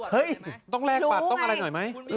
ต้องแลกบัตรต้องอะไรหน่อยไหม